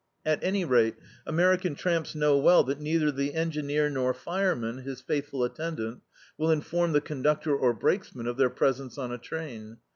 At any rate, American tramps know well that neither the en^eer nor fireman, his faithful attendant, will inform the conductor or brakesman of their presence on a train.